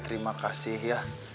terima kasih ya